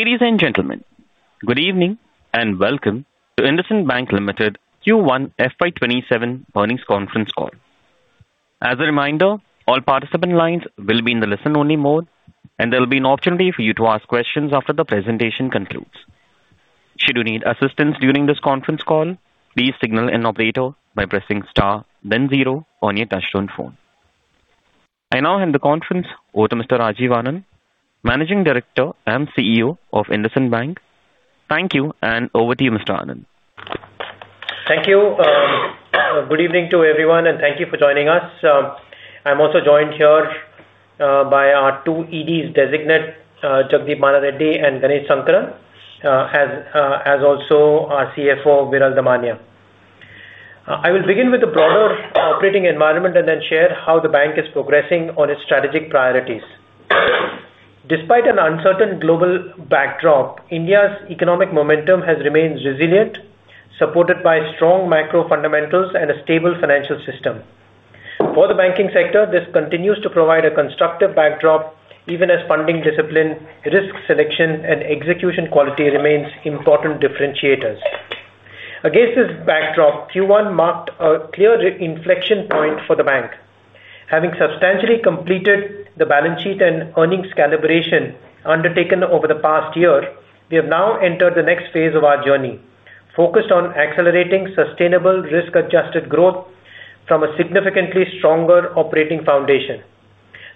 Ladies and gentlemen, good evening and welcome to IndusInd Bank Limited Q1 FY 2027 earnings conference call. As a reminder, all participant lines will be in the listen only mode. There will be an opportunity for you to ask questions after the presentation concludes. Should you need assistance during this conference call, please signal an operator by pressing star then zero on your touchtone phone. I now hand the conference over to Mr. Rajiv Anand, Managing Director and CEO of IndusInd Bank. Thank you, and over to you, Mr. Anand. Thank you. Good evening to everyone. Thank you for joining us. I am also joined here by our two EDs designate, Jagdeep Mallareddy and Ganesh Sankaran, as also our CFO, Viral Damania. I will begin with the broader operating environment. Then share how the bank is progressing on its strategic priorities. Despite an uncertain global backdrop, India’s economic momentum has remained resilient, supported by strong macro fundamentals and a stable financial system. For the banking sector, this continues to provide a constructive backdrop, even as funding discipline, risk selection, and execution quality remains important differentiators. Against this backdrop, Q1 marked a clear inflection point for the bank. Having substantially completed the balance sheet and earnings calibration undertaken over the past year, we have now entered the next phase of our journey, focused on accelerating sustainable risk-adjusted growth from a significantly stronger operating foundation.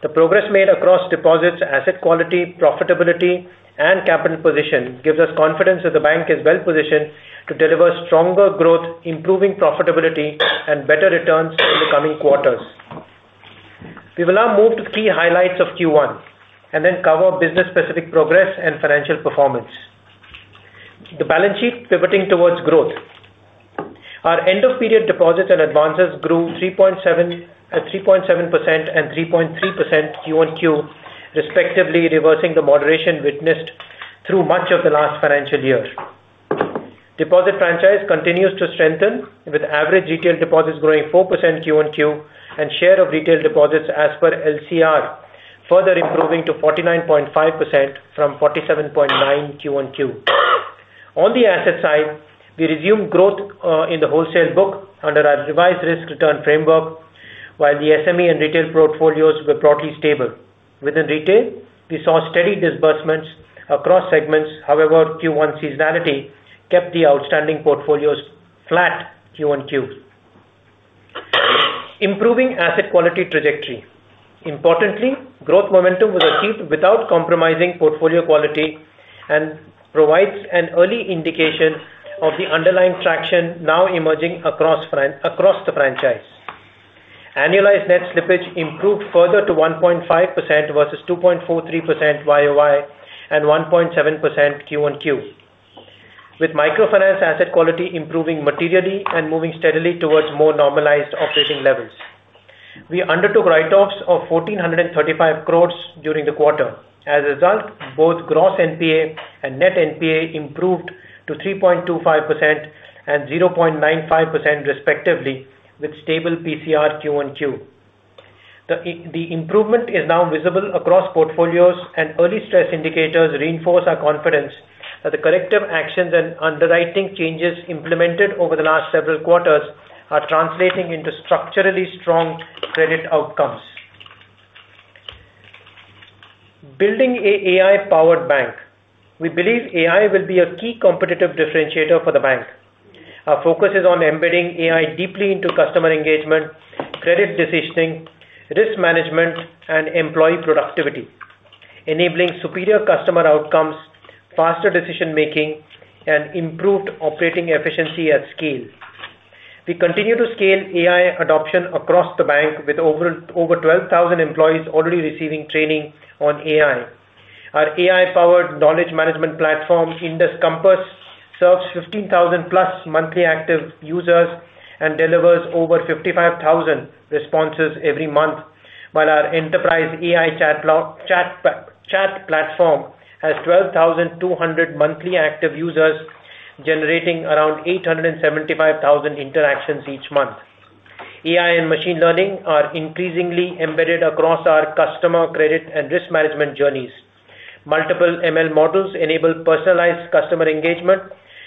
The progress made across deposits, asset quality, profitability and capital position gives us confidence that the bank is well-positioned to deliver stronger growth, improving profitability and better returns in the coming quarters. We will now move to the key highlights of Q1. Then cover business-specific progress and financial performance. The balance sheet pivoting towards growth. Our end of period deposits and advances grew 3.7% and 3.3% quarter-on-quarter respectively, reversing the moderation witnessed through much of the last financial year. Deposit franchise continues to strengthen, with average retail deposits growing 4% quarter-on-quarter and share of retail deposits as per LCR further improving to 49.5% from 47.9% quarter-on-quarter. On the asset side, we resumed growth in the wholesale book under our revised risk return framework, while the SME and retail portfolios were broadly stable. Within retail, we saw steady disbursements across segments. However, Q1 seasonality kept the outstanding portfolios flat quarter-on-quarter. Improving asset quality trajectory. Importantly, growth momentum was achieved without compromising portfolio quality. Provides an early indication of the underlying traction now emerging across the franchise. Annualized net slippage improved further to 1.5% versus 2.43% year-on-year and 1.7% quarter-on-quarter. With microfinance asset quality improving materially and moving steadily towards more normalized operating levels. We undertook write-offs of 1,435 crores during the quarter. As a result, both gross NPA and net NPA improved to 3.25% and 0.95% respectively, with stable PCR quarter-on-quarter. The improvement is now visible across portfolios. Early stress indicators reinforce our confidence that the corrective actions and underwriting changes implemented over the last several quarters are translating into structurally strong credit outcomes. Building AI-powered bank. We believe AI will be a key competitive differentiator for the bank. Our focus is on embedding AI deeply into customer engagement, credit decisioning, risk management, and employee productivity, enabling superior customer outcomes, faster decision-making and improved operating efficiency at scale. We continue to scale AI adoption across the bank with over 12,000 employees already receiving training on AI. Our AI-powered knowledge management platform, IndusCompass, serves 15,000+ monthly active users and delivers over 55,000 responses every month. While our enterprise AI chat platform has 12,200 monthly active users, generating around 875,000 interactions each month. AI and machine learning are increasingly embedded across our customer credit and risk management journeys. Multiple ML models enable personalized customer engagement,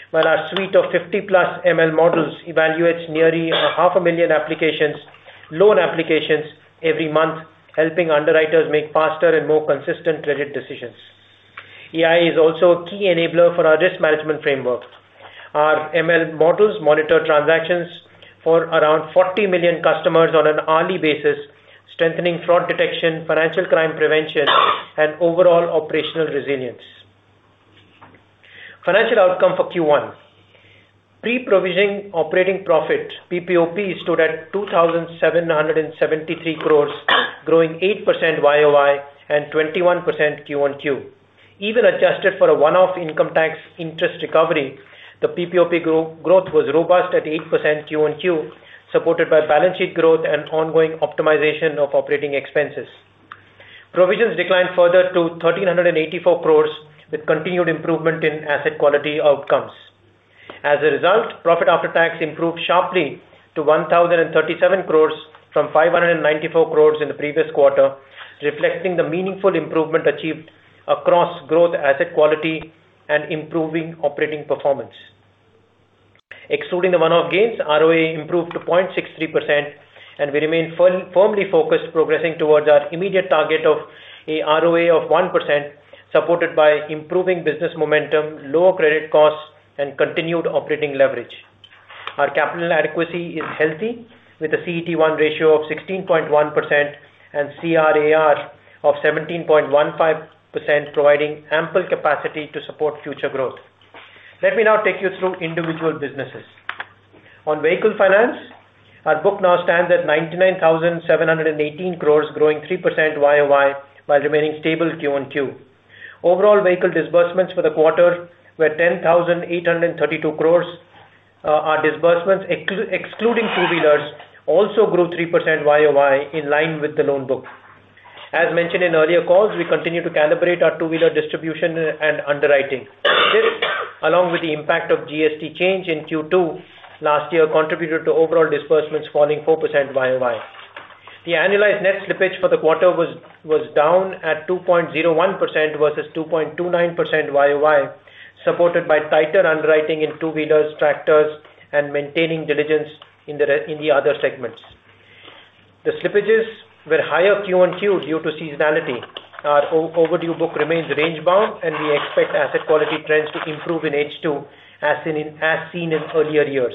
while our suite of 50+ ML models evaluates nearly half a million loan applications every month, helping underwriters make faster and more consistent credit decisions. AI is also a key enabler for our risk management framework. Our ML models monitor transactions for around 40 million customers on an hourly basis, strengthening fraud detection, financial crime prevention, and overall operational resilience. Financial outcome for Q1. Pre-provisioning operating profit, PPOP, stood at 2,773 crore, growing 8% year-over-year and 21% quarter-over-quarter. Even adjusted for a one-off income tax interest recovery, the PPOP growth was robust at 8% quarter-over-quarter, supported by balance sheet growth and ongoing optimization of operating expenses. Provisions declined further to 1,384 crore with continued improvement in asset quality outcomes. As a result, profit after tax improved sharply to 1,037 crore from 594 crore in the previous quarter, reflecting the meaningful improvement achieved across growth, asset quality, and improving operating performance. Excluding the one-off gains, ROA improved to 0.63% and we remain firmly focused, progressing towards our immediate target of a ROA of 1%, supported by improving business momentum, lower credit costs, and continued operating leverage. Our capital adequacy is healthy, with a CET1 ratio of 16.1% and CRAR of 17.15%, providing ample capacity to support future growth. Let me now take you through individual businesses. On vehicle finance, our book now stands at 99,718 crore, growing 3% year-over-year, while remaining stable quarter-on-quarter. Overall vehicle disbursements for the quarter were 10,832 crore. Our disbursements excluding two-wheelers also grew 3% year-over-year, in line with the loan book. As mentioned in earlier calls, we continue to calibrate our two-wheeler distribution and underwriting. This, along with the impact of GST change in Q2 last year contributed to overall disbursements falling 4% year-over-year. The annualized net slippage for the quarter was down at 2.01% versus 2.29% year-over-year, supported by tighter underwriting in two-wheelers, tractors, and maintaining diligence in the other segments. The slippages were higher quarter-on-quarter due to seasonality. Our overdue book remains range-bound and we expect asset quality trends to improve in H2, as seen in earlier years.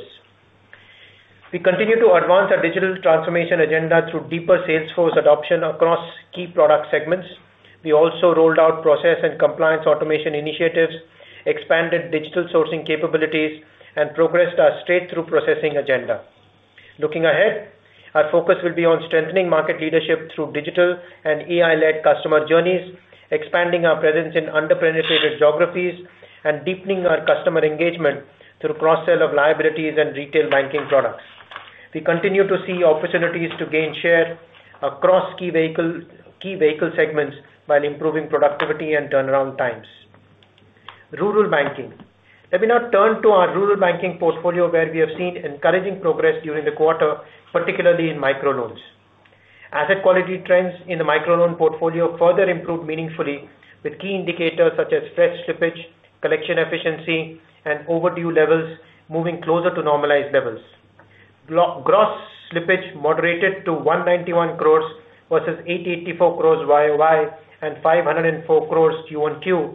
We continue to advance our digital transformation agenda through deeper sales force adoption across key product segments. We also rolled out process and compliance automation initiatives, expanded digital sourcing capabilities, and progressed our straight-through processing agenda. Looking ahead, our focus will be on strengthening market leadership through digital and AI-led customer journeys, expanding our presence in under-penetrated geographies, and deepening our customer engagement through cross-sell of liabilities and retail banking products. We continue to see opportunities to gain share across key vehicle segments while improving productivity and turnaround times. Rural banking. Let me now turn to our rural banking portfolio where we have seen encouraging progress during the quarter, particularly in micro loans. Asset quality trends in the micro loan portfolio further improved meaningfully with key indicators such as fresh slippage, collection efficiency, and overdue levels moving closer to normalized levels. Gross slippage moderated to 191 crores versus 884 crores year-over-year and 504 crores quarter-on-quarter,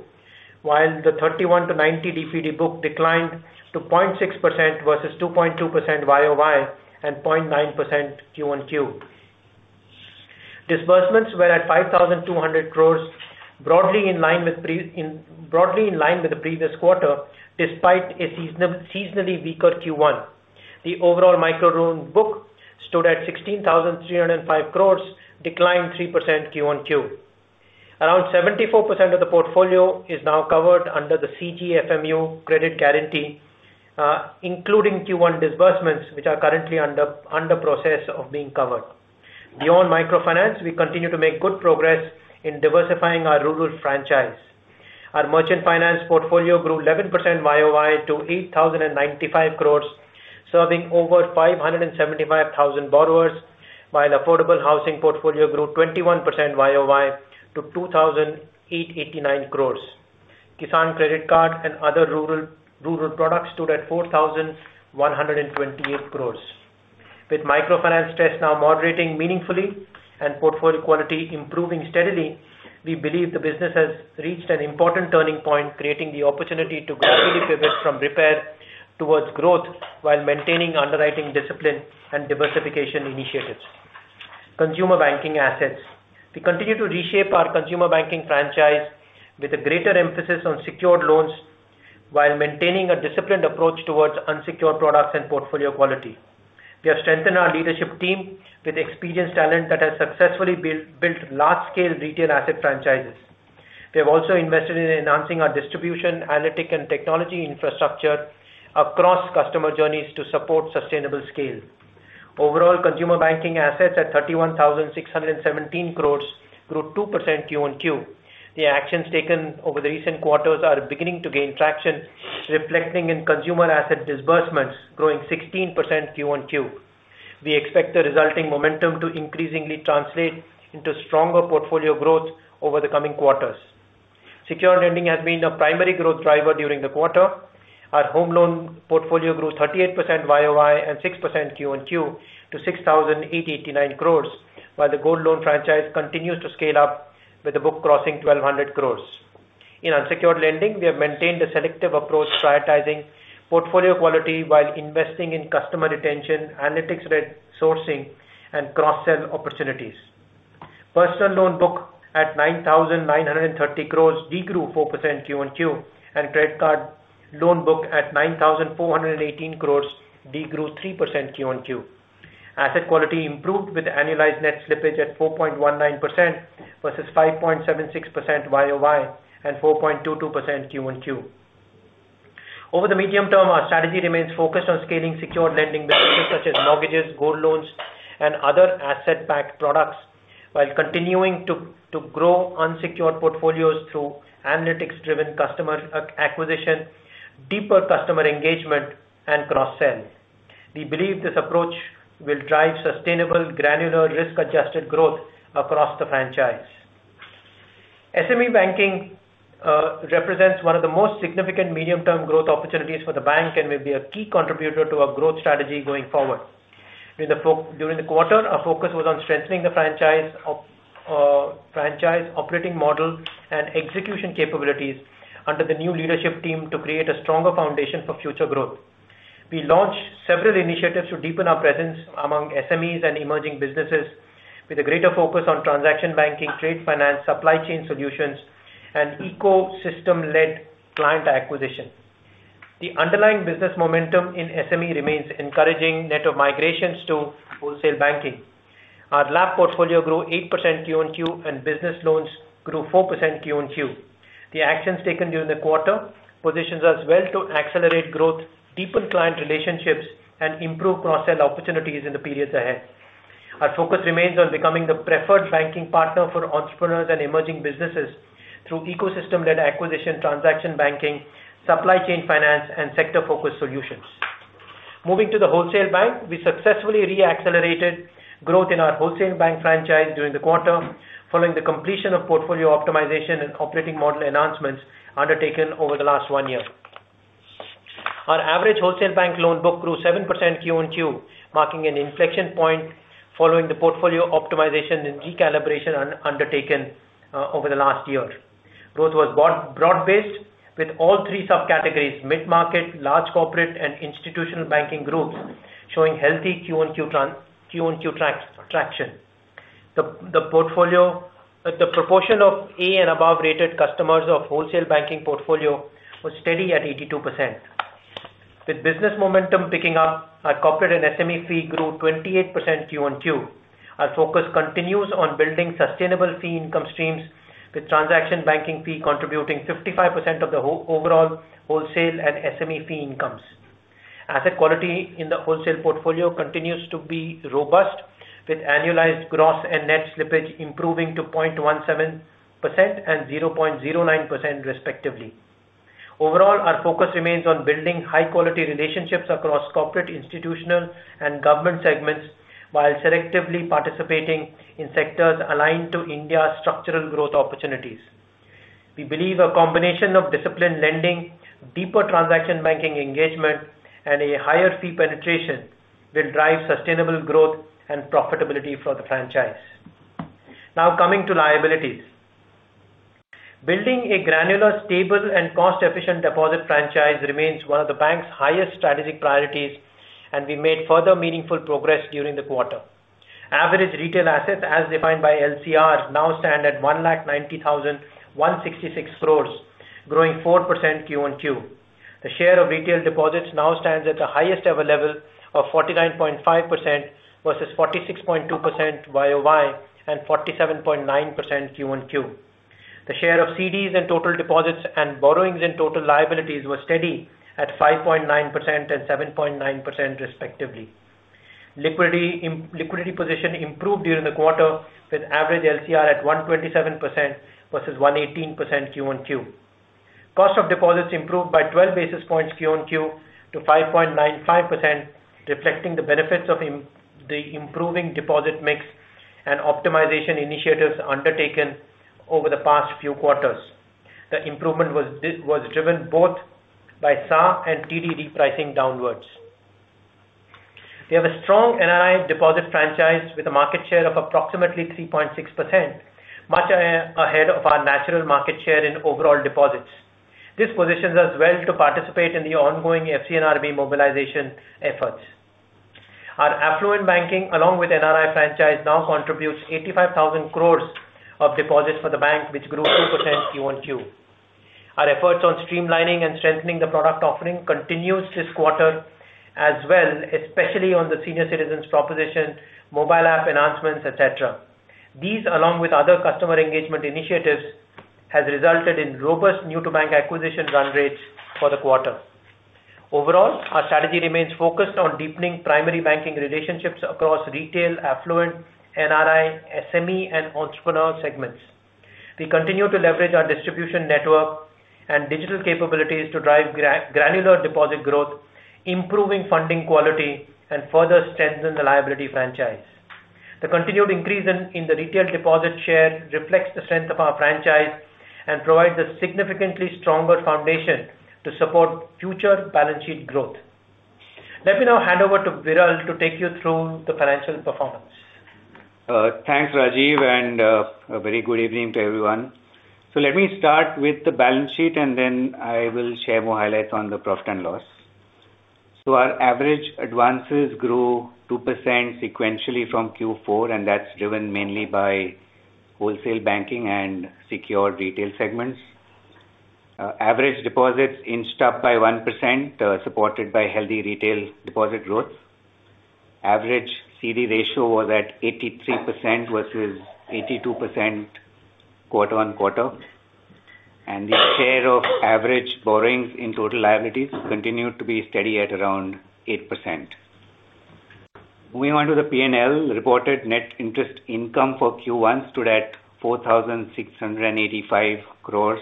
while the 31-90 DPD book declined to 0.6% versus 2.2% year-over-year and 0.9% quarter-on-quarter. Disbursements were at 5,200 crores, broadly in line with the previous quarter, despite a seasonally weaker Q1. The overall micro loan book stood at 16,305 crores, declined 3% quarter-on-quarter. Around 74% of the portfolio is now covered under the CGFMU credit guarantee, including Q1 disbursements, which are currently under process of being covered. Beyond microfinance, we continue to make good progress in diversifying our rural franchise. Our merchant finance portfolio grew 11% year-over-year to 8,095 crores, serving over 575,000 borrowers, while affordable housing portfolio grew 21% year-over-year to 2,889 crores. Kisan Credit Card and other rural products stood at 4,128 crores. With microfinance stress now moderating meaningfully and portfolio quality improving steadily, we believe the business has reached an important turning point, creating the opportunity to gradually pivot from repair towards growth while maintaining underwriting discipline and diversification initiatives. Consumer banking assets. We continue to reshape our consumer banking franchise with a greater emphasis on secured loans while maintaining a disciplined approach towards unsecured products and portfolio quality. We have strengthened our leadership team with experienced talent that has successfully built large-scale retail asset franchises. We have also invested in enhancing our distribution, analytic, and technology infrastructure across customer journeys to support sustainable scale. Overall, consumer banking assets at 31,617 crores grew 2% quarter-on-quarter. The actions taken over the recent quarters are beginning to gain traction, reflecting in consumer asset disbursements growing 16% quarter-on-quarter. We expect the resulting momentum to increasingly translate into stronger portfolio growth over the coming quarters. Secured lending has been a primary growth driver during the quarter. Our home loan portfolio grew 38% year-over-year and 6% quarter-on-quarter to 6,889 crores, while the gold loan franchise continues to scale up with the book crossing 1,200 crores. In unsecured lending, we have maintained a selective approach, prioritizing portfolio quality while investing in customer retention, analytics-led sourcing, and cross-sell opportunities. Personal loan book at 9,930 crores, degrew 4% quarter-on-quarter, and credit card loan book at 9,418 crores, degrew 3% quarter-on-quarter. Asset quality improved with annualized net slippage at 4.19% versus 5.76% year-over-year and 4.22% quarter-on-quarter. Over the medium term, our strategy remains focused on scaling secured lending vehicles such as mortgages, gold loans, and other asset-backed products while continuing to grow unsecured portfolios through analytics driven customer acquisition, deeper customer engagement and cross sell. We believe this approach will drive sustainable, granular risk-adjusted growth across the franchise. SME banking represents one of the most significant medium-term growth opportunities for the bank and will be a key contributor to our growth strategy going forward. During the quarter, our focus was on strengthening the franchise operating model and execution capabilities under the new leadership team to create a stronger foundation for future growth. We launched several initiatives to deepen our presence among SMEs and emerging businesses with a greater focus on transaction banking, trade finance, supply chain solutions, and ecosystem-led client acquisition. The underlying business momentum in SME remains encouraging net of migrations to wholesale banking. Our LAP portfolio grew 8% quarter-over-quarter, business loans grew 4% quarter-over-quarter. The actions taken during the quarter positions us well to accelerate growth, deepen client relationships, and improve cross-sell opportunities in the periods ahead. Our focus remains on becoming the preferred banking partner for entrepreneurs and emerging businesses through ecosystem-led acquisition, transaction banking, supply chain finance, and sector-focused solutions. Moving to the wholesale bank, we successfully re-accelerated growth in our wholesale bank franchise during the quarter, following the completion of portfolio optimization and operating model enhancements undertaken over the last one year. Our average wholesale bank loan book grew 7% quarter-over-quarter, marking an inflection point following the portfolio optimization and recalibration undertaken over the last year. Growth was broad-based with all three subcategories: mid-market, large corporate, and institutional banking groups showing healthy quarter-over-quarter traction. The proportion of A and above-rated customers of wholesale banking portfolio was steady at 82%. With business momentum picking up, our corporate and SME fee grew 28% quarter-over-quarter. Our focus continues on building sustainable fee income streams, with transaction banking fee contributing 55% of the overall wholesale and SME fee incomes. Asset quality in the wholesale portfolio continues to be robust, with annualized gross and net slippage improving to 0.17% and 0.09% respectively. Overall, our focus remains on building high quality relationships across corporate, institutional, and government segments while selectively participating in sectors aligned to India's structural growth opportunities. We believe a combination of disciplined lending, deeper transaction banking engagement, and a higher fee penetration will drive sustainable growth and profitability for the franchise. Coming to liabilities. Building a granular, stable and cost-efficient deposit franchise remains one of the bank's highest strategic priorities, we made further meaningful progress during the quarter. Average retail assets, as defined by LCR, now stand at 190,166 crore, growing 4% quarter-over-quarter. The share of retail deposits now stands at the highest ever level of 49.5% versus 46.2% year-over-year and 47.9% quarter-over-quarter. The share of CDs in total deposits and borrowings in total liabilities were steady at 5.9% and 7.9% respectively. Liquidity position improved during the quarter with average LCR at 127% versus 118% quarter-over-quarter. Cost of deposits improved by 12 basis points quarter-over-quarter to 5.95%, reflecting the benefits of the improving deposit mix and optimization initiatives undertaken over the past few quarters. The improvement was driven both by SA and TDD pricing downwards. We have a strong NRI deposit franchise with a market share of approximately 3.6%, much ahead of our natural market share in overall deposits. This positions us well to participate in the ongoing FCNRB mobilization efforts. Our affluent banking, along with NRI franchise, now contributes 85,000 crore of deposits for the bank, which grew 2% quarter-over-quarter. Our efforts on streamlining and strengthening the product offering continues this quarter as well, especially on the senior citizens proposition, mobile app enhancements, et cetera. These, along with other customer engagement initiatives, has resulted in robust new-to-bank acquisition run rates for the quarter. Overall, our strategy remains focused on deepening primary banking relationships across retail, affluent, NRI, SME, and entrepreneur segments. We continue to leverage our distribution network and digital capabilities to drive granular deposit growth, improving funding quality, and further strengthen the liability franchise. The continued increase in the retail deposit share reflects the strength of our franchise and provides a significantly stronger foundation to support future balance sheet growth. Let me now hand over to Viral to take you through the financial performance. Thanks, Rajiv, and a very good evening to everyone. Let me start with the balance sheet, then I will share more highlights on the profit and loss. Our average advances grew 2% sequentially from Q4, and that's driven mainly by wholesale banking and secure retail segments. Average deposits inched up by 1%, supported by healthy retail deposit growth. Average CD ratio was at 83% versus 82% quarter-on-quarter. The share of average borrowings in total liabilities continued to be steady at around 8%. Moving on to the P&L, reported net interest income for Q1 stood at 4,685 crore.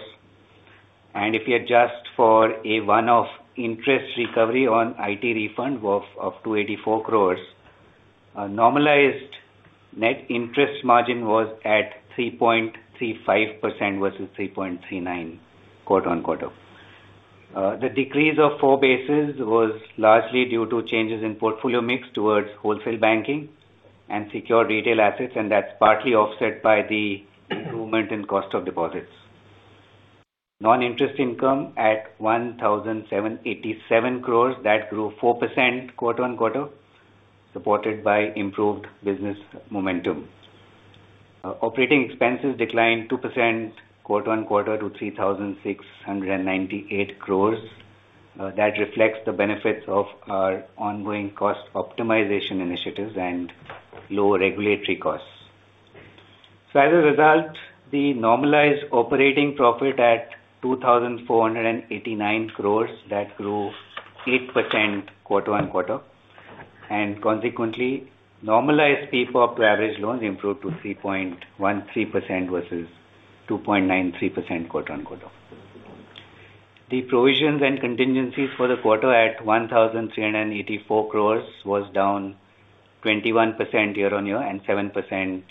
If you adjust for a one-off interest recovery on IT refund of 284 crore, a normalized net interest margin was at 3.35% versus 3.39% quarter-on-quarter. The decrease of four basis points was largely due to changes in portfolio mix towards wholesale banking and secure retail assets, and that's partly offset by the improvement in cost of deposits. Non-interest income at 1,787 crore, that grew 4% quarter-on-quarter, supported by improved business momentum. Operating expenses declined 2% quarter-on-quarter to 3,698 crore. That reflects the benefits of our ongoing cost optimization initiatives and low regulatory costs. As a result, the normalized operating profit at 2,489 crore, that grew 8% quarter-on-quarter and consequently normalized PPOP to average loans improved to 3.13% versus 2.93% quarter-on-quarter. The provisions and contingencies for the quarter at 1,384 crore was down 21% year-on-year and 7%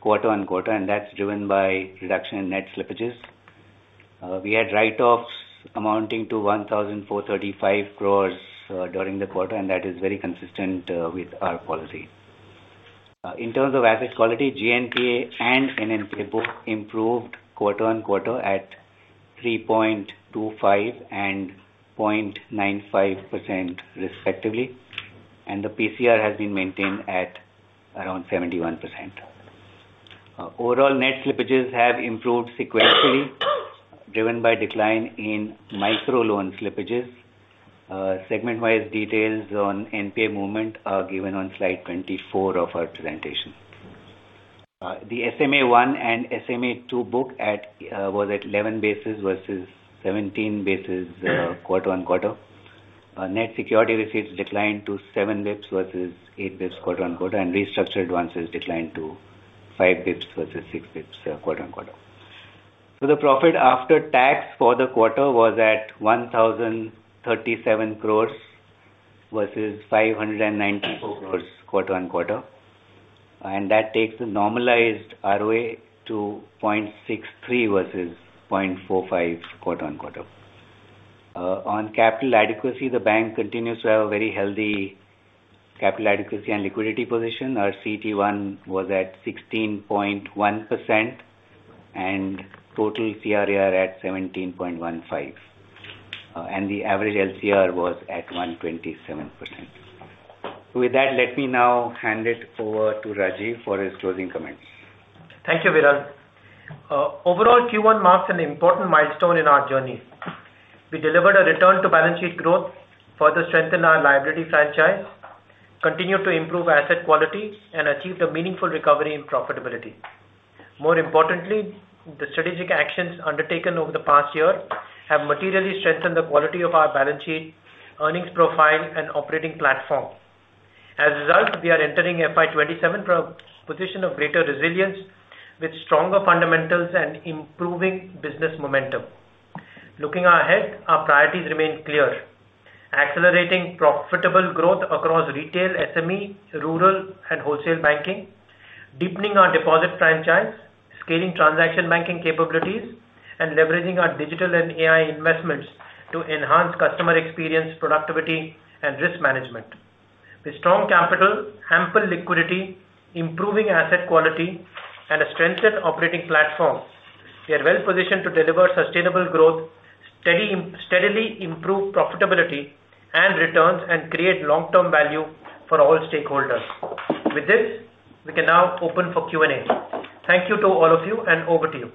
quarter-on-quarter. That's driven by reduction in net slippages. We had write-offs amounting to 1,435 crore during the quarter, and that is very consistent with our policy. In terms of asset quality, GNPA and NNPA both improved quarter-on-quarter at 3.25% and 0.95% respectively. The PCR has been maintained at around 71%. Overall net slippages have improved sequentially, driven by decline in micro-loan slippages. Segment-wise details on NPA movement are given on slide 24 of our presentation. The SMA-1 and SMA-2 book was at 11 basis points versus 17 basis points quarter-on-quarter. Net security receipts declined to 7 basis points versus 8 basis points quarter-on-quarter. Restructured ones has declined to 5 basis points versus 6 basis points quarter-on-quarter. The profit after tax for the quarter was at 1,037 crore versus 594 crore quarter-on-quarter. That takes the normalized ROA to 0.63% versus 0.45% quarter-on-quarter. On capital adequacy, the bank continues to have a very healthy capital adequacy and liquidity position. Our CET1 was at 16.1% and total CRAR at 17.15%. The average LCR was at 127%. With that, let me now hand it over to Rajiv for his closing comments. Thank you, Viral. Overall, Q1 marks an important milestone in our journey. We delivered a return to balance sheet growth, further strengthen our liability franchise, continue to improve asset quality, and achieved a meaningful recovery in profitability. More importantly, the strategic actions undertaken over the past year have materially strengthened the quality of our balance sheet, earnings profile and operating platform. As a result, we are entering FY 2027 from a position of greater resilience with stronger fundamentals and improving business momentum. Looking ahead, our priorities remain clear. Accelerating profitable growth across retail, SME, rural and wholesale banking, deepening our deposit franchise, scaling transaction banking capabilities, and leveraging our digital and AI investments to enhance customer experience, productivity and risk management. With strong capital, ample liquidity, improving asset quality and a strengthened operating platform, we are well-positioned to deliver sustainable growth, steadily improve profitability and returns, and create long-term value for all stakeholders. With this, we can now open for Q&A. Thank you to all of you and over to you.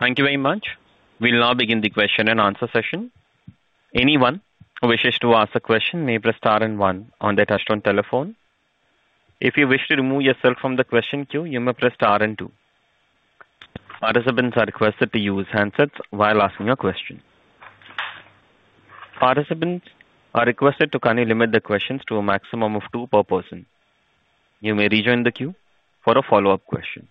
Thank you very much. We will now begin the question and answer session. Anyone who wishes to ask a question may press star and one on their touchtone telephone. If you wish to remove yourself from the question queue, you may press star and two. Participants are requested to use handsets while asking a question. Participants are requested to kindly limit their questions to a maximum of two per person. You may rejoin the queue for a follow-up question.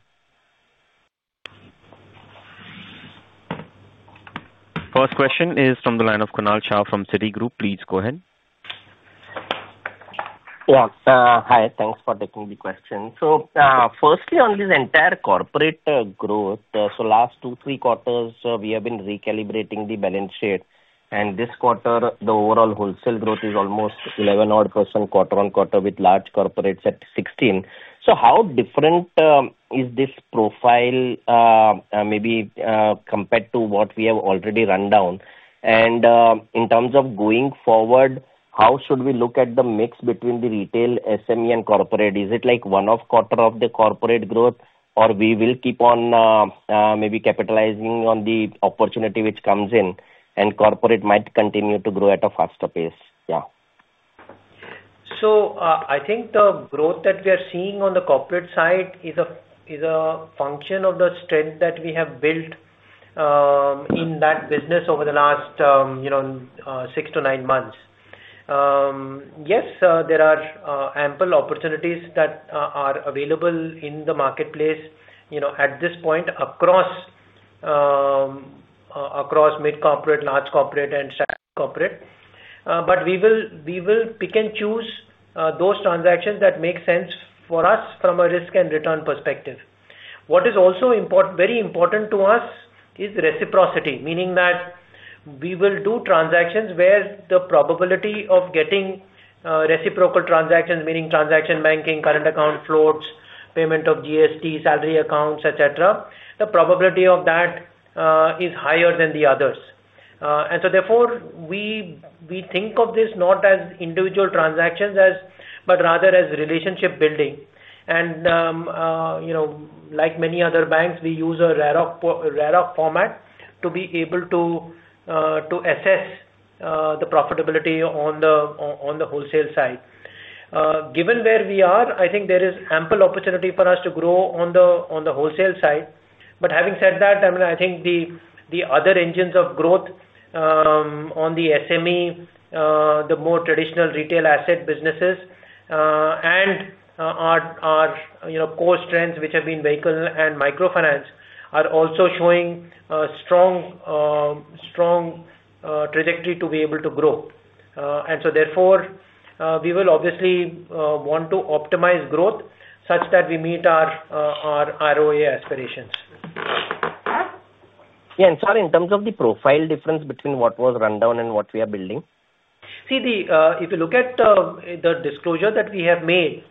First question is from the line of Kunal Shah from Citigroup. Please go ahead. Yeah. Hi, thanks for taking the question. Firstly on this entire corporate growth, last two, three quarters, we have been recalibrating the balance sheet, and this quarter, the overall wholesale growth is almost 11% quarter-on-quarter with large corporates at 16. How different is this profile maybe compared to what we have already run down? In terms of going forward, how should we look at the mix between the retail, SME, and corporate? Is it like one-off quarter of the corporate growth, or we will keep on maybe capitalizing on the opportunity which comes in and corporate might continue to grow at a faster pace? I think the growth that we are seeing on the corporate side is a function of the strength that we have built in that business over the last six to nine months. Yes, there are ample opportunities that are available in the marketplace at this point across mid-corporate, large corporate and corporate. We will pick and choose those transactions that make sense for us from a risk and return perspective. What is also very important to us is reciprocity, meaning that we will do transactions where the probability of getting reciprocal transactions, meaning transaction banking, current account floats, payment of GST, salary accounts, et cetera. The probability of that is higher than the others. Therefore, we think of this not as individual transactions, but rather as relationship building. Like many other banks, we use a RAROC format to be able to assess the profitability on the wholesale side. Given where we are, I think there is ample opportunity for us to grow on the wholesale side. Having said that, I think the other engines of growth on the SME, the more traditional retail asset businesses, and our core strengths, which have been vehicle and microfinance, are also showing a strong trajectory to be able to grow. Therefore, we will obviously want to optimize growth such that we meet our ROA aspirations. Yeah. Sorry, in terms of the profile difference between what was rundown and what we are building? See, if you look at the disclosure that we have made,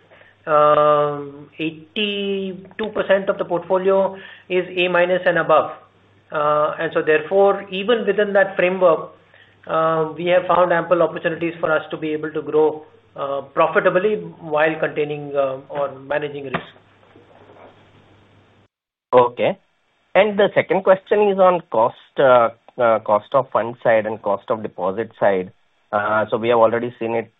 82% of the portfolio is A minus and above. Therefore, even within that framework, we have found ample opportunities for us to be able to grow profitably while containing or managing risk. Okay. The second question is on cost of fund side and cost of deposit side. We have already seen it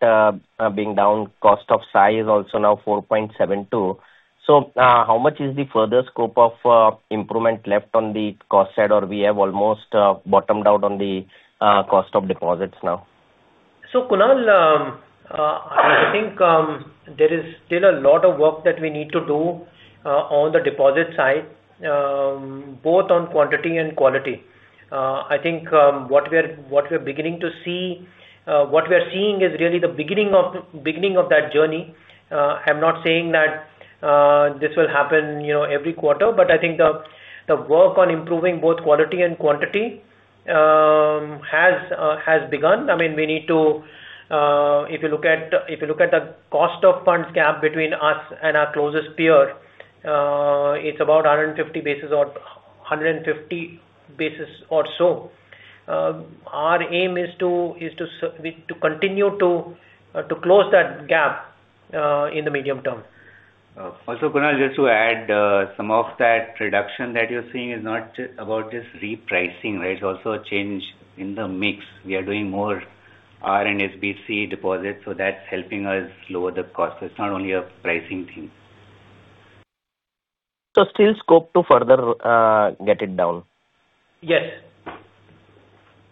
being down. Cost of CI is also now 4.72. How much is the further scope of improvement left on the cost side, or we have almost bottomed out on the cost of deposits now? Kunal, I think there is still a lot of work that we need to do on the deposit side, both on quantity and quality. I think what we're beginning to see, what we're seeing is really the beginning of that journey. I'm not saying that this will happen every quarter, but I think the work on improving both quality and quantity has begun. If you look at the cost of funds gap between us and our closest peer, it's about 150 basis or so. Our aim is to continue to close that gap in the medium term. Also, Kunal, just to add, some of that reduction that you're seeing is not just about this repricing, right? It's also a change in the mix. We are doing more retail NSBC deposits, so that's helping us lower the cost. It's not only a pricing thing. Still scope to further get it down? Yes.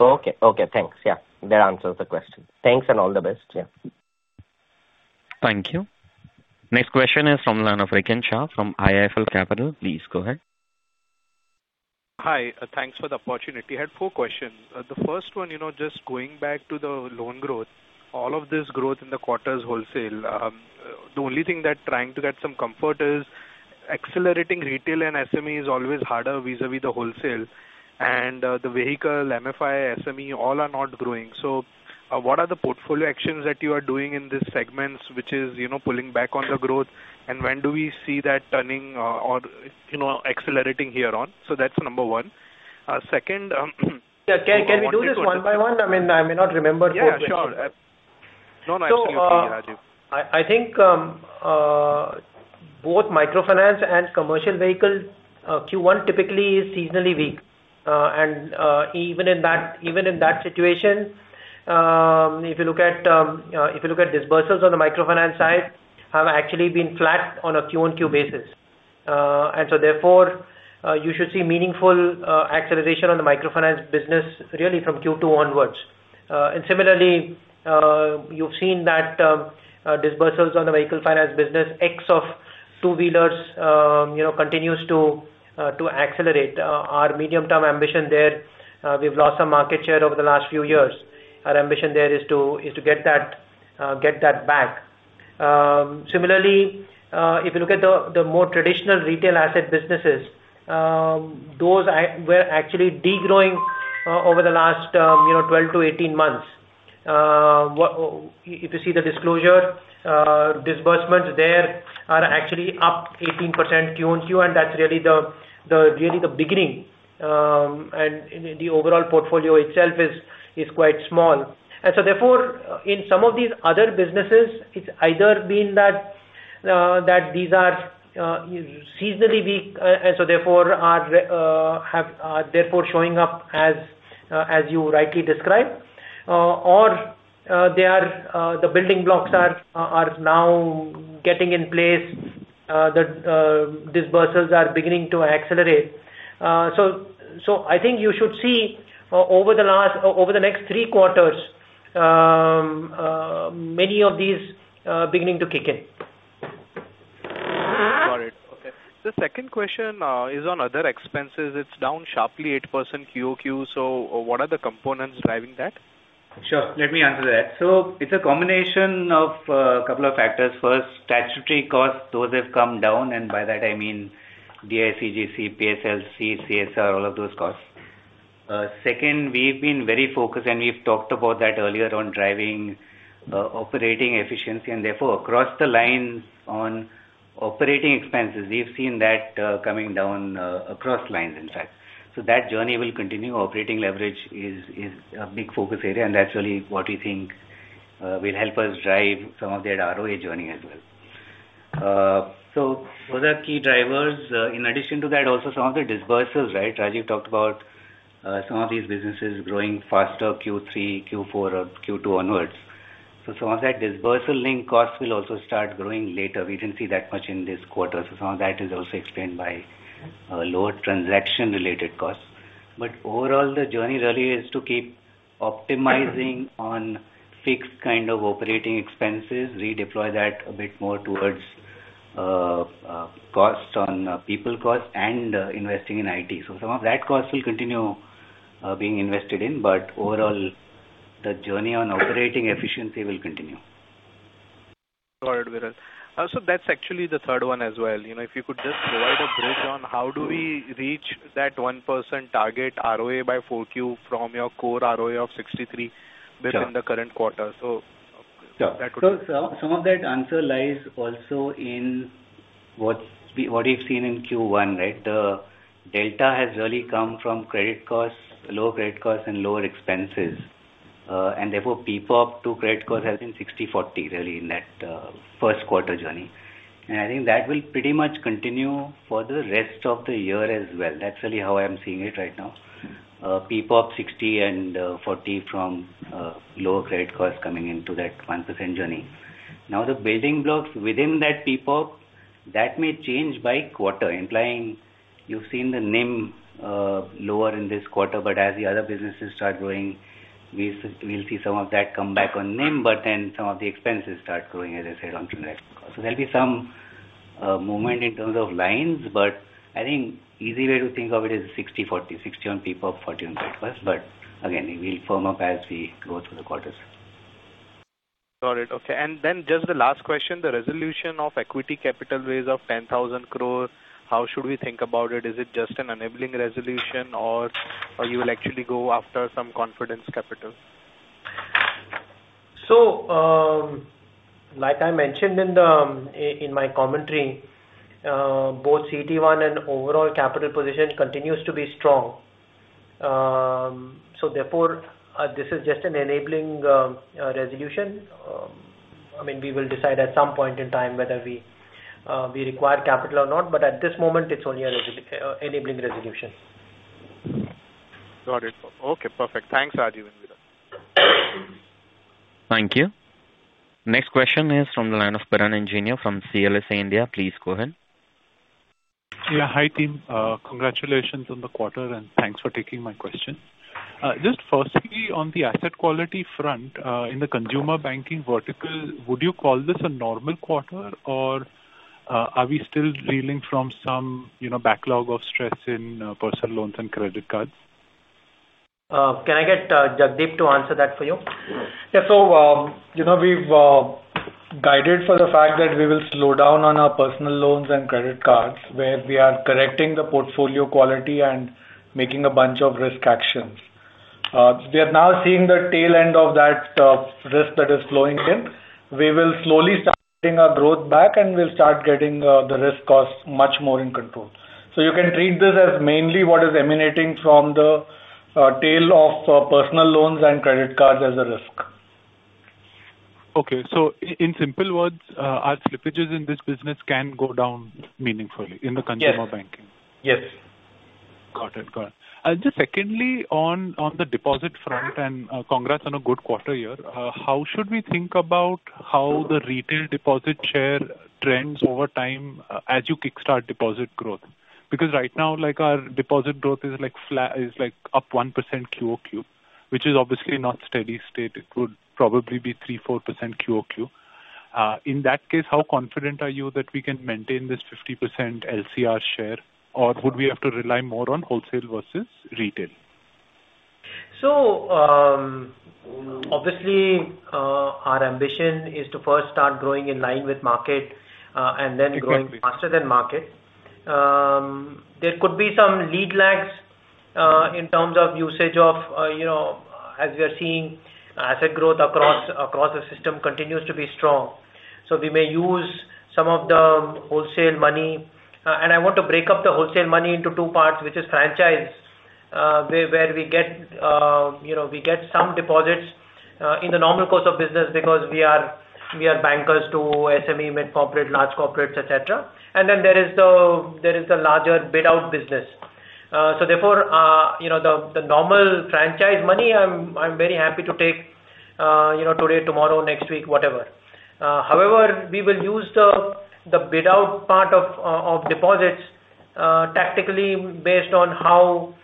Okay. Thanks. Yeah. That answers the question. Thanks and all the best. Yeah. Thank you. Next question is from the line of Rikin Shah from IIFL Capital. Please go ahead. Hi. Thanks for the opportunity. I had four questions. The first one, just going back to the loan growth. All of this growth in the quarter is wholesale. The only thing that trying to get some comfort is accelerating retail and SME is always harder vis-à-vis the wholesale and the vehicle MFI, SME, all are not growing. What are the portfolio actions that you are doing in these segments, which is pulling back on the growth, and when do we see that turning or accelerating here on? That is number one. Can we do this one by one? I may not remember four questions. Yeah, sure. No, no. It's okay, Rajiv. I think both microfinance and commercial vehicles, Q1 typically is seasonally weak. Even in that situation, if you look at disbursements on the microfinance side, have actually been flat on a quarter-on-quarter basis. Therefore, you should see meaningful acceleration on the microfinance business really from Q2 onwards. Similarly, you've seen that disbursements on the vehicle finance business ex of two-wheelers continues to accelerate. Our medium-term ambition there, we've lost some market share over the last few years. Our ambition there is to get that back. Similarly, if you look at the more traditional retail asset businesses, those were actually de-growing over the last 12-18 months. If you see the disclosure, disbursements there are actually up 18% quarter-on-quarter, and that's really the beginning. The overall portfolio itself is quite small. Therefore, in some of these other businesses, it's either been that these are seasonally weak and so therefore showing up as you rightly described or the building blocks are now getting in place, the disbursements are beginning to accelerate. I think you should see over the next three quarters, many of these beginning to kick in. Got it. Okay. The second question is on other expenses. It's down sharply 8% quarter-on-quarter, so what are the components driving that? Sure. Let me answer that. It's a combination of a couple of factors. First, statutory costs, those have come down, and by that I mean DICGC, PSLC, CSR, all of those costs. Second, we've been very focused and we've talked about that earlier on driving operating efficiency and therefore across the lines on operating expenses, we've seen that coming down across lines, in fact. That journey will continue. Operating leverage is a big focus area and that's really what we think will help us drive some of that ROA journey as well. Those are key drivers. In addition to that, also some of the disbursements, right? Rajiv talked about some of these businesses growing faster Q3, Q4 or Q2 onwards. Some of that disbursement link costs will also start growing later. We didn't see that much in this quarter. Some of that is also explained by lower transaction-related costs. Overall, the journey really is to keep optimizing on fixed kind of operating expenses, redeploy that a bit more towards costs on people costs and investing in IT. Some of that cost will continue being invested in, but overall, the journey on operating efficiency will continue. Got it, Viral. That's actually the third one as well. If you could just provide a bridge on how do we reach that 1% target ROA by 4Q from your core ROA of 63 within the current quarter. Some of that answer lies also in what we've seen in Q1, right? The delta has really come from credit costs, lower credit costs, and lower expenses. Therefore, PPoP to credit cost has been 60/40 really in that first quarter journey. I think that will pretty much continue for the rest of the year as well. That's really how I'm seeing it right now. PPoP 60/40 from lower credit costs coming into that 1% journey. The building blocks within that PPoP, that may change by quarter, implying you've seen the NIM lower in this quarter, but as the other businesses start growing, we'll see some of that come back on NIM, but then some of the expenses start growing, as I said, on to the next call. There'll be some movement in terms of lines, I think easy way to think of it is 60/40, 60 on PPoP, 40 on credit cost. Again, it will firm up as we go through the quarters. Got it. Okay. Just the last question, the resolution of equity capital raise of 10,000 crore, how should we think about it? Is it just an enabling resolution or you will actually go after some confidence capital? Like I mentioned in my commentary, both CET1 and overall capital position continues to be strong. Therefore, this is just an enabling resolution. We will decide at some point in time whether we require capital or not, at this moment, it's only an enabling resolution. Got it. Okay, perfect. Thanks, Rajiv and Viral. Thank you. Next question is from the line of Piran Engineer from CLSA India. Please go ahead. Yeah. Hi, team. Congratulations on the quarter, and thanks for taking my question. Just firstly, on the asset quality front, in the consumer banking vertical, would you call this a normal quarter or are we still reeling from some backlog of stress in personal loans and credit cards? Can I get Jagdeep to answer that for you? Yeah. We've guided for the fact that we will slow down on our personal loans and credit cards, where we are correcting the portfolio quality and making a bunch of risk actions. We are now seeing the tail end of that risk that is flowing in. We will slowly start getting our growth back, and we'll start getting the risk cost much more in control. You can read this as mainly what is emanating from the tail of personal loans and credit cards as a risk. Okay. In simple words, our slippages in this business can go down meaningfully in the consumer banking. Yes. Got it. Got it. Just secondly, on the deposit front, congrats on a good quarter year. How should we think about how the retail deposit share trends over time as you kickstart deposit growth? Right now, our deposit growth is up 1% quarter-on-quarter, which is obviously not steady state. It would probably be 3%, 4% quarter-on-quarter. In that case, how confident are you that we can maintain this 50% LCR share? Would we have to rely more on wholesale versus retail? Obviously, our ambition is to first start growing in line with market and then growing faster than market. There could be some lead lags in terms of usage of, as we are seeing asset growth across the system continues to be strong. We may use some of the wholesale money. I want to break up the wholesale money into two parts, which is franchise where we get some deposits in the normal course of business because we are bankers to SME, mid-corporate, large corporates, et cetera. Then there is the larger bid out business. Therefore, the normal franchise money, I'm very happy to take today, tomorrow, next week, whatever. However, we will use the bid out part of deposits tactically based on how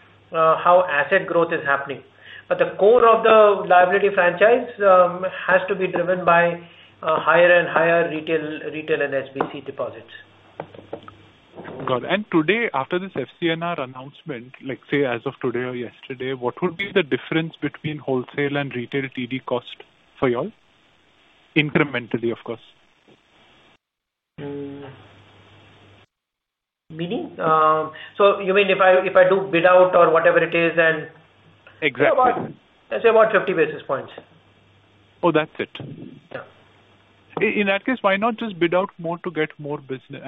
asset growth is happening. The core of the liability franchise has to be driven by higher and higher retail and SBC deposits. Got it. Today, after this FCNR announcement, let's say as of today or yesterday, what would be the difference between wholesale and retail TD cost for you all? Incrementally, of course. Meaning? You mean if I do bid out or whatever it is. Exactly. Let's say about 50 basis points. Oh, that's it. Yeah. In that case, why not just bid out more to get more business?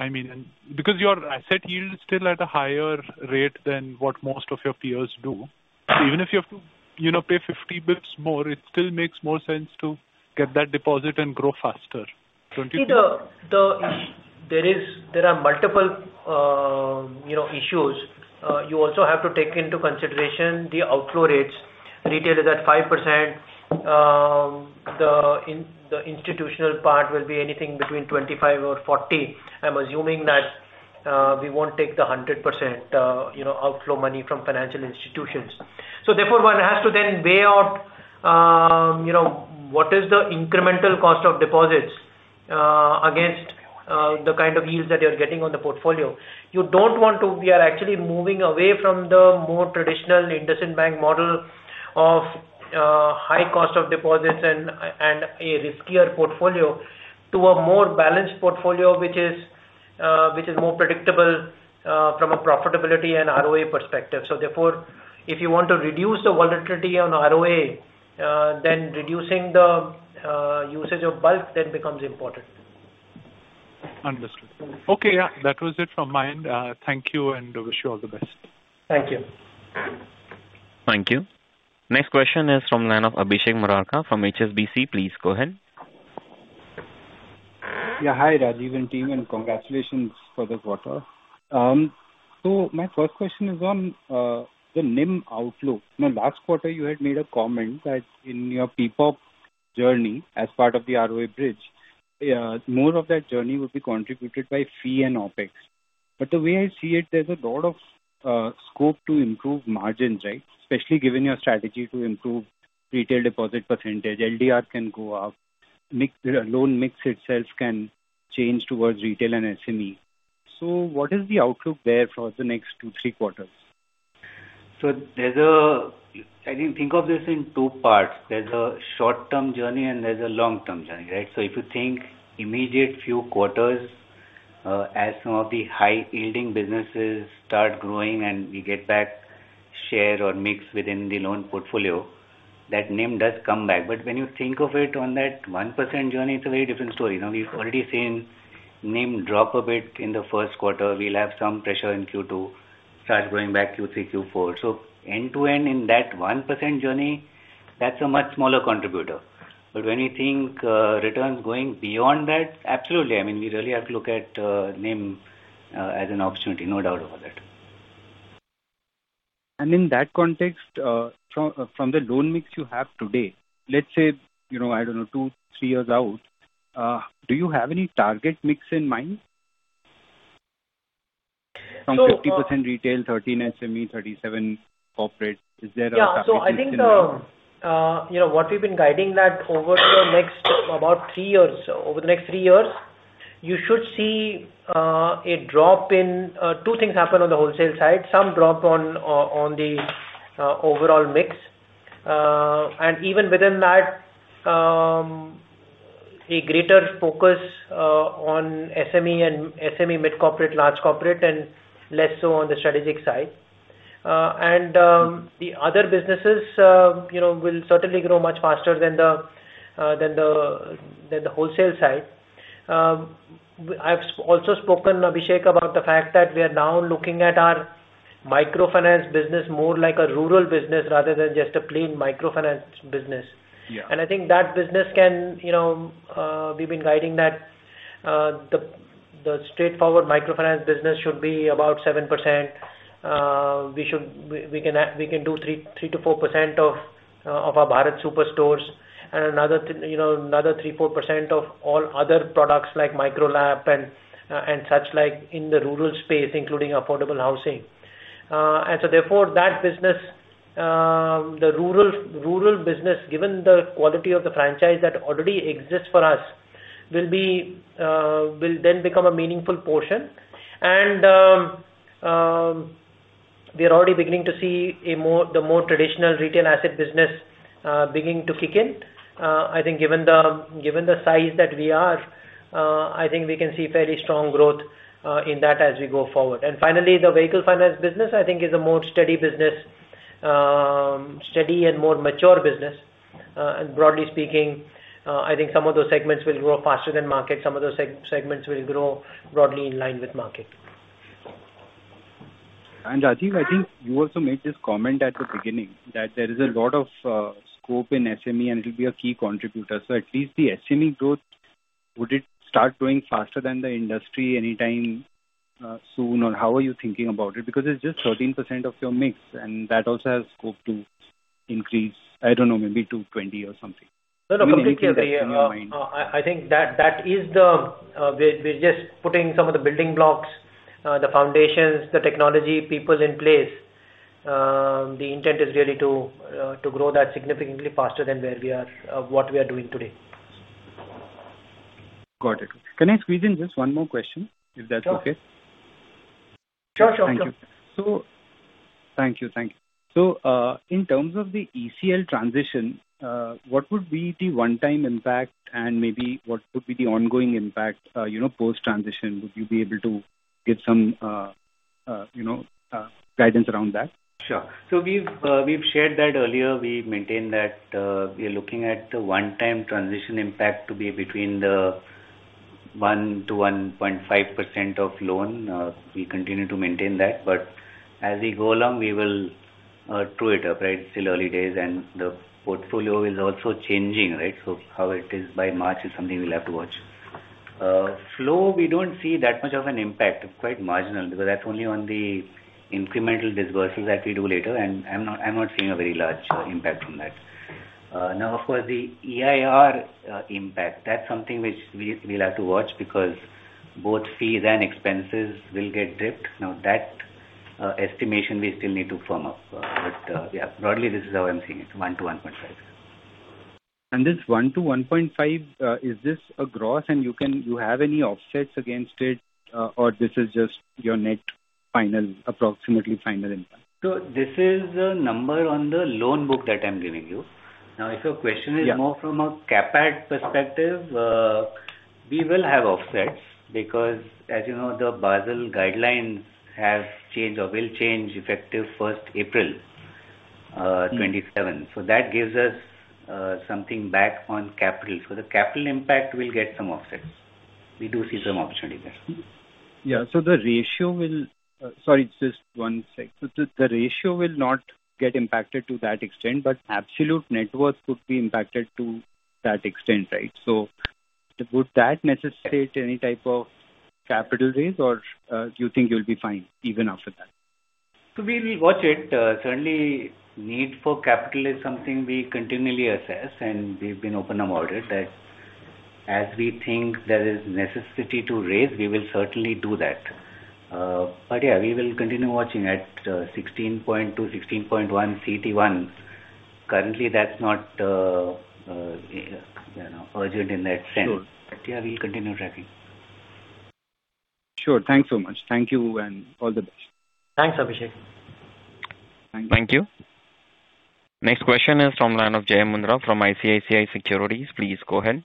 Because your asset yield is still at a higher rate than what most of your peers do. Even if you have to pay 50 basis points more, it still makes more sense to get that deposit and grow faster. Don't you think? There are multiple issues. You also have to take into consideration the outflow rates. Retail is at 5%. The institutional part will be anything between 25% or 40%. I'm assuming that we won't take the 100% outflow money from financial institutions. Therefore, one has to then weigh out what is the incremental cost of deposits against the kind of yields that you're getting on the portfolio. We are actually moving away from the more traditional IndusInd Bank model of high cost of deposits and a riskier portfolio to a more balanced portfolio, which is more predictable from a profitability and ROA perspective. Therefore, if you want to reduce the volatility on ROA, then reducing the usage of bulk then becomes important. Understood. Okay. Yeah. That was it from my end. Thank you, and wish you all the best. Thank you. Thank you. Next question is from the line of Abhishek Murarka from HSBC. Please go ahead. Hi, Rajiv and team, congratulations for the quarter. My first question is on the NIM outlook. In the last quarter, you had made a comment that in your PPoP journey as part of the ROA bridge, more of that journey will be contributed by fee and OpEx. The way I see it, there's a lot of scope to improve margins, right? Especially given your strategy to improve retail deposit percentage. LDR can go up. Loan mix itself can change towards retail and SME. What is the outlook there for the next two, three quarters? I think of this in two parts. There's a short-term journey and there's a long-term journey, right? If you think immediate few quarters as some of the high yielding businesses start growing and we get back share or mix within the loan portfolio, that NIM does come back. When you think of it on that 1% journey, it's a very different story. We've already seen NIM drop a bit in the 1st quarter. We'll have some pressure in Q2. Start going back Q3, Q4. End to end in that 1% journey, that's a much smaller contributor. When you think returns going beyond that, absolutely. We really have to look at NIM as an opportunity. No doubt about that. In that context, from the loan mix you have today, let's say, I don't know, two, three years out, do you have any target mix in mind? From 50% retail, 30% SME, 37% corporate. Is there a target mix in mind? Yeah. I think what we've been guiding that over the next three years, you should see two things happen on the wholesale side. Some drop on the overall mix. Even within that, a greater focus on SME, mid-corporate, large corporate, and less so on the strategic side. The other businesses will certainly grow much faster than the wholesale side. I've also spoken, Abhishek, about the fact that we are now looking at our microfinance business more like a rural business rather than just a plain microfinance business. Yeah. I think that business. We've been guiding that the straightforward microfinance business should be about 7%. We can do 3%-4% of our Bharat Super Shop and another 3%, 4% of all other products like MicroLAP and such like in the rural space, including affordable housing. Therefore, that business, the rural business, given the quality of the franchise that already exists for us, will then become a meaningful portion. We are already beginning to see the more traditional retail asset business beginning to kick in. I think given the size that we are, I think we can see fairly strong growth in that as we go forward. Finally, the vehicle finance business, I think, is a more steady business Steady and more mature business. Broadly speaking, I think some of those segments will grow faster than market. Some of those segments will grow broadly in line with market. Rajiv, I think you also made this comment at the beginning that there is a lot of scope in SME and it'll be a key contributor. At least the SME growth, would it start growing faster than the industry anytime soon, or how are you thinking about it? Because it's just 13% of your mix, and that also has scope to increase, I don't know, maybe to 20 or something. When are you making that in your mind? No, completely agree. I think we're just putting some of the building blocks, the foundations, the technology, people in place. The intent is really to grow that significantly faster than what we are doing today. Got it. Can I squeeze in just one more question, if that's okay? Sure. Thank you. Thank you. In terms of the ECL transition, what would be the one-time impact and maybe what would be the ongoing impact post-transition? Would you be able to give some guidance around that? Sure. We've shared that earlier. We've maintained that we are looking at the one-time transition impact to be between the 1%-1.5% of loan. We continue to maintain that. As we go along, we will true it up, right? It's still early days and the portfolio is also changing, right? How it is by March is something we'll have to watch. Flow, we don't see that much of an impact. It's quite marginal because that's only on the incremental disbursements that we do later, and I'm not seeing a very large impact from that. Now of course, the EIR impact, that's something which we'll have to watch because both fees and expenses will get dipped. Now that estimation we still need to firm up. Yeah, broadly, this is how I'm seeing it, 1%-1.5%. This 1%-1.5%, is this a gross, and you have any offsets against it? Or this is just your net approximately final impact? This is a number on the loan book that I'm giving you. Now, if your question is more from a CapEx perspective, we will have offsets because, as you know, the Basel guidelines have changed or will change effective April 1st, 2027. That gives us something back on capital. The capital impact will get some offsets. We do see some opportunity there. Yeah. Sorry, just one sec. The ratio will not get impacted to that extent, but absolute net worth could be impacted to that extent, right? Would that necessitate any type of capital raise or do you think you'll be fine even after that? We will watch it. Certainly, need for capital is something we continually assess, and we've been open about it that as we think there is necessity to raise, we will certainly do that. Yeah, we will continue watching at 16.2%, 16.1% CET1. Currently, that's not urgent in that sense. Sure. Yeah, we'll continue tracking. Sure. Thanks so much. Thank you and all the best. Thanks, Abhishek. Thank you. Thank you. Next question is from the line of Jay Mundhra from ICICI Securities. Please go ahead.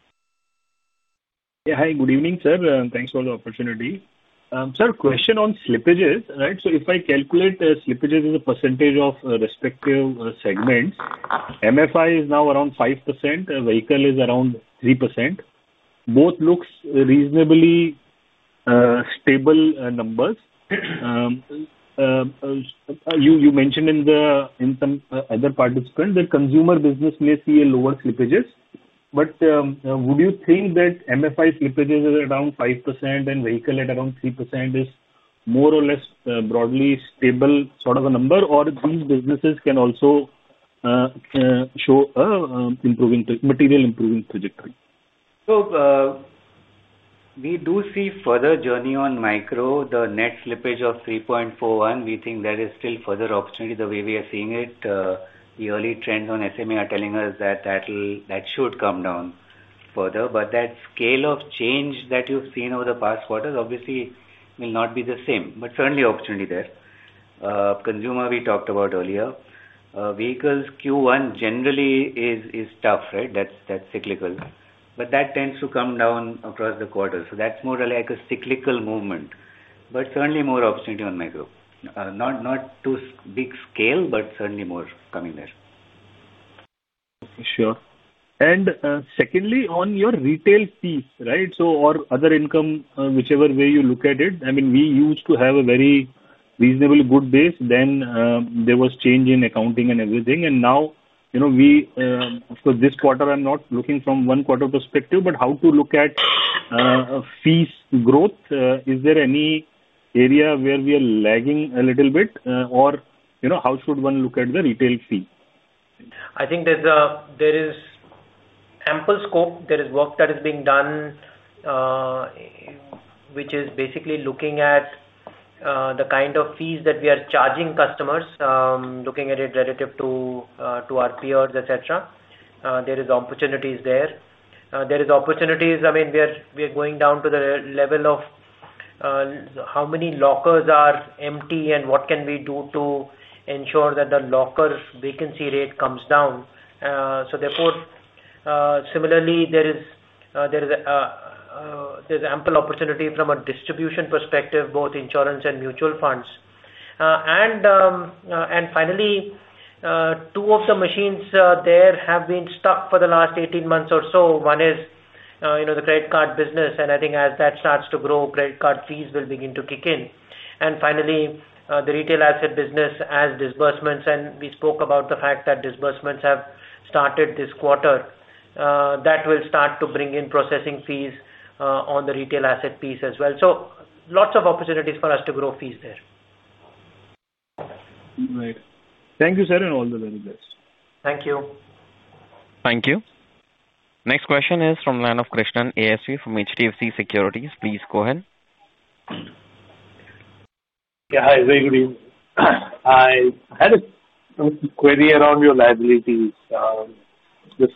Yeah. Hi, good evening, sir. Thanks for the opportunity. Sir, question on slippages, right? If I calculate slippages as a percentage of respective segments, MFI is now around 5%, vehicle is around 3%. Both looks reasonably stable numbers. You mentioned in some other participant that consumer business may see a lower slippages. Would you think that MFI slippages at around 5% and vehicle at around 3% is more or less broadly stable sort of a number, or it comes businesses can also show material improving trajectory? We do see further journey on micro. The net slippage of 3.41%, we think there is still further opportunity the way we are seeing it. The early trends on SME are telling us that should come down further, but that scale of change that you've seen over the past quarters obviously will not be the same. Certainly opportunity there. Consumer, we talked about earlier. Vehicles, Q1 generally is tough, right? That's cyclical. That tends to come down across the quarter. That's more like a cyclical movement, but certainly more opportunity on micro. Not too big scale, but certainly more coming there. Sure. Secondly, on your retail fees, right? Or other income whichever way you look at it, we used to have a very reasonably good base then there was change in accounting and everything and now, of course this quarter I'm not looking from one quarter perspective, but how to look at fees growth. Is there any area where we are lagging a little bit? How should one look at the retail fee? I think there is ample scope. There is work that is being done which is basically looking at the kind of fees that we are charging customers, looking at it relative to our peers, et cetera. There is opportunities there. There is opportunities, we are going down to the level of how many lockers are empty and what can we do to ensure that the lockers vacancy rate comes down. There's ample opportunity from a distribution perspective, both insurance and mutual funds. Finally, two of the machines there have been stuck for the last 18 months or so. one is the credit card business, and I think as that starts to grow, credit card fees will begin to kick in. Finally, the retail asset business as disbursements, and we spoke about the fact that disbursements have started this quarter. That will start to bring in processing fees on the retail asset piece as well. Lots of opportunities for us to grow fees there. Right. Thank you, sir, and all the very best. Thank you. Thank you. Next question is from the line of Krishnan ASV from HDFC Securities. Please go ahead. Yeah. Hi, very good evening. I had a query around your liabilities. The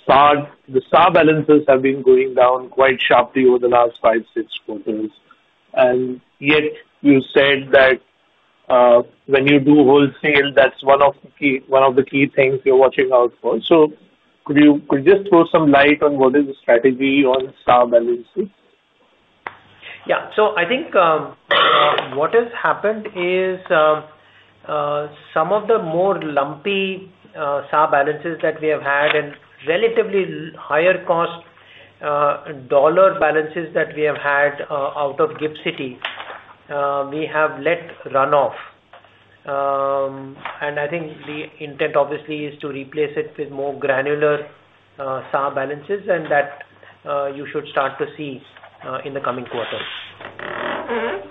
SA balances have been going down quite sharply over the last five, six quarters, yet you said that when you do wholesale, that's one of the key things you're watching out for. Could you just throw some light on what is the strategy on SA balances? Yeah. I think what has happened is some of the more lumpy SA balances that we have had and relatively higher cost dollar balances that we have had out of GIFT City, we have let run off. I think the intent, obviously, is to replace it with more granular SA balances and that you should start to see in the coming quarters.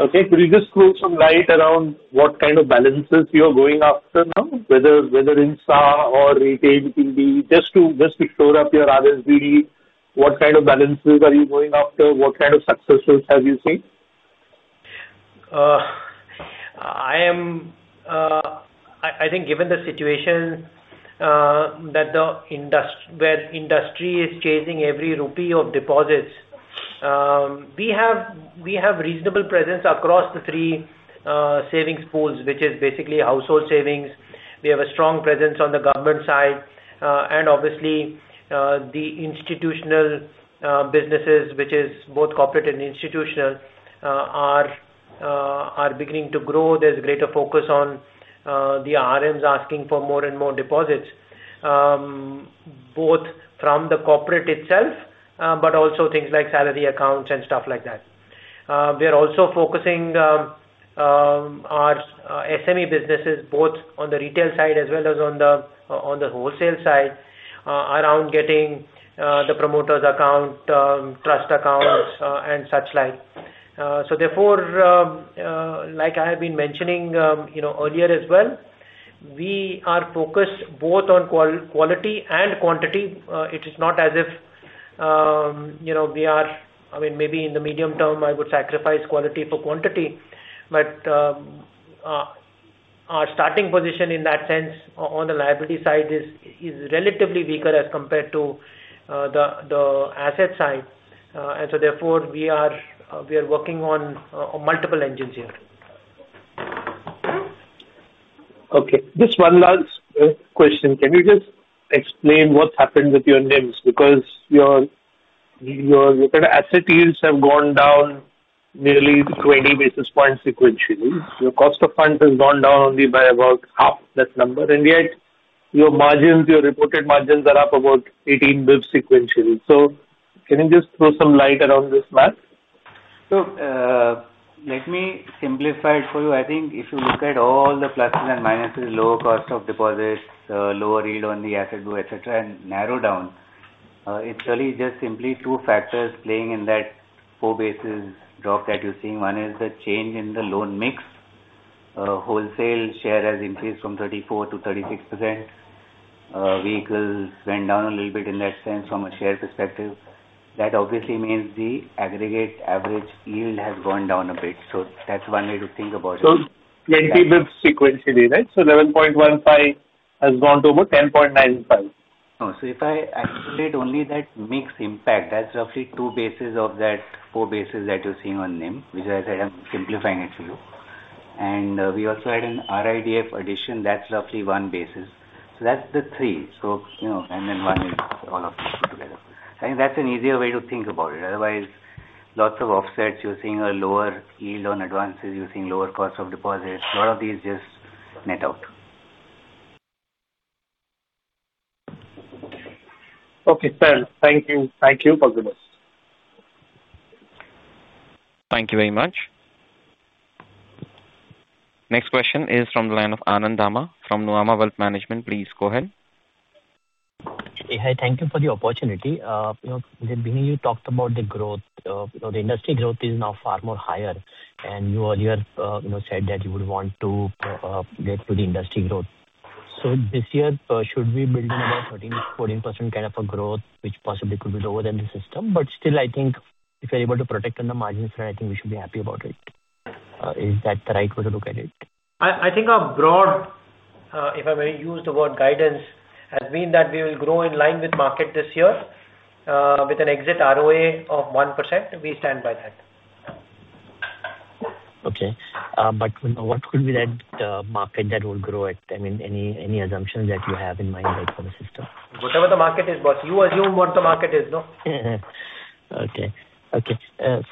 Okay. Could you just throw some light around what kind of balances you are going after now? Whether in SA or retail it can be, just to shore up your RDB, what kind of balances are you going after? What kind of successes have you seen? I think given the situation where industry is chasing every INR of deposits, we have reasonable presence across the three savings pools, which is basically household savings. We have a strong presence on the government side. Obviously, the institutional businesses, which is both corporate and institutional, are beginning to grow. There is greater focus on the RMs asking for more and more deposits, both from the corporate itself, but also things like salary accounts and stuff like that. We are also focusing our SME businesses both on the retail side as well as on the wholesale side around getting the promoters account, trust accounts, and such like. Therefore, like I have been mentioning earlier as well, we are focused both on quality and quantity. It is not as if we are, maybe in the medium term, I would sacrifice quality for quantity. Our starting position in that sense on the liability side is relatively weaker as compared to the asset side. Therefore, we are working on multiple engines here. Okay. Just one last question. Can you just explain what has happened with your NIMs? Because your asset yields have gone down nearly 20 basis points sequentially. Your cost of funds has gone down only by about half that number, and yet your reported margins are up about 18 basis points sequentially. Can you just throw some light around this math? Let me simplify it for you. I think if you look at all the pluses and minuses, lower cost of deposits, lower yield on the asset go, et cetera, and narrow down, it is really just simply two factors playing in that four basis drop that you are seeing. One is the change in the loan mix. Wholesale share has increased from 34%-36%. Vehicles went down a little bit in that sense from a share perspective. That obviously means the aggregate average yield has gone down a bit. That is one way to think about it. 20 basis points sequentially, right? 11.15 has gone to about 10.95. No. If I isolate only that mix impact, that's roughly two basis of that four basis that you're seeing on NIM, which as I said, I'm simplifying it for you. We also had an RIDF addition, that's roughly one basis. That's the three. One is all of them put together. I think that's an easier way to think about it. Otherwise, lots of offsets. You're seeing a lower yield on advances, you're seeing lower cost of deposits. A lot of these just net out. Okay, fair. Thank you. All the best. Thank you very much. Next question is from the line of Anand Dama from Nuvama Wealth Management. Please go ahead. Hi. Thank you for the opportunity. In the beginning, you talked about the growth. The industry growth is now far more higher, you earlier said that you would want to get to the industry growth. This year, should we build in about 13%, 14% kind of a growth, which possibly could be lower than the system? Still, I think if you're able to protect on the margins front, I think we should be happy about it. Is that the right way to look at it? I think our broad, if I may use the word guidance, has been that we will grow in line with market this year, with an exit ROA of 1%. We stand by that. Okay. What could be that market that will grow at? Any assumptions that you have in mind for this quarter? Whatever the market is, boss. You assume what the market is. Okay.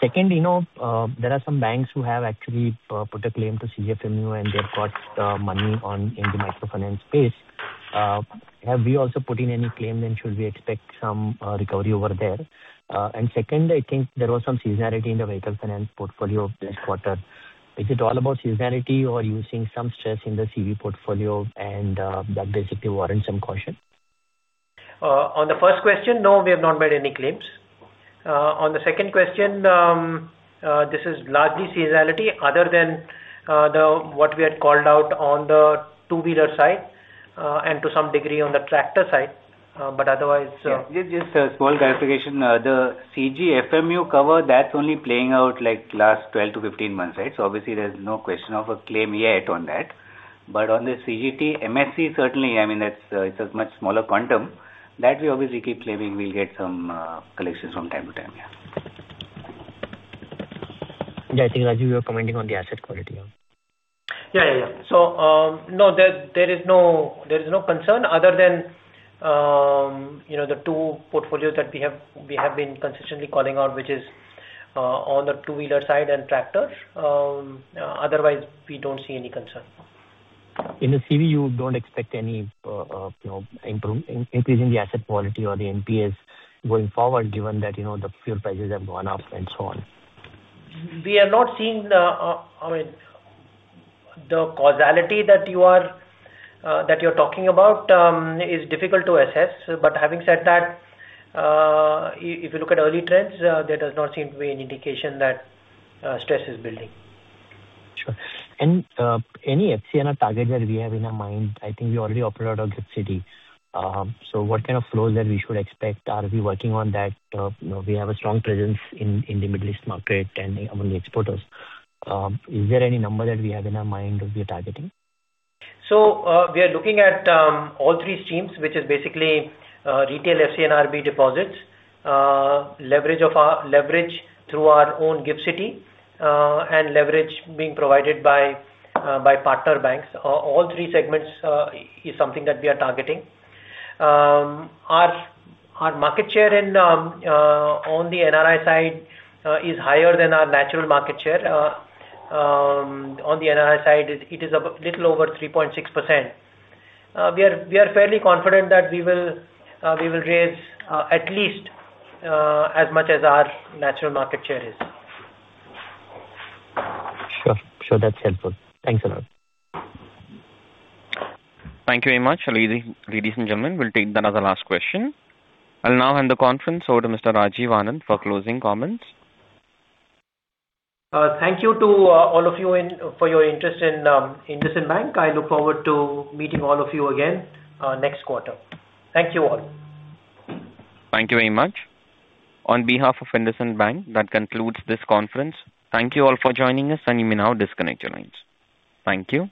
Second, there are some banks who have actually put a claim to CGFMU and they've got money in the microfinance space. Have we also put in any claim, and should we expect some recovery over there? Second, I think there was some seasonality in the vehicle finance portfolio this quarter. Is it all about seasonality or are you seeing some stress in the CV portfolio and that basically warrants some caution? On the first question, no, we have not made any claims. On the second question, this is largely seasonality other than what we had called out on the two-wheeler side, and to some degree on the tractor side. Just a small clarification. The CGFMU cover, that's only playing out last 12-15 months, right? Obviously there's no question of a claim yet on that. On the CGTMSE, certainly, it's a much smaller quantum. That we obviously keep claiming we'll get some collections from time to time. I think, Rajiv, you were commenting on the asset quality. Yeah. No, there is no concern other than the two portfolios that we have been consistently calling out, which is on the two-wheeler side and tractor. Otherwise, we don't see any concern. In the CV, you don't expect any increase in the asset quality or the NPAs going forward, given that the fuel prices have gone up and so on? We are not seeing the causality that you're talking about. It's difficult to assess. Having said that, if you look at early trends, there does not seem to be any indication that stress is building. Sure. Any FCNR target that we have in our mind, I think we already operate out of GIFT City. What kind of flows that we should expect? Are we working on that? We have a strong presence in the Middle East market and among the exporters. Is there any number that we have in our mind that we are targeting? We are looking at all three streams, which is basically retail FCNR deposits, leverage through our own GIFT City, and leverage being provided by partner banks. All three segments is something that we are targeting. Our market share on the NRI side is higher than our natural market share. On the NRI side, it is a little over 3.6%. We are fairly confident that we will raise at least as much as our natural market share is. Sure. That's helpful. Thanks a lot. Thank you very much. Ladies and gentlemen, we'll take that as the last question. I'll now hand the conference over to Mr. Rajiv Anand for closing comments. Thank you to all of you for your interest in IndusInd Bank. I look forward to meeting all of you again next quarter. Thank you all. Thank you very much. On behalf of IndusInd Bank, that concludes this conference. Thank you all for joining us, and you may now disconnect your lines. Thank you.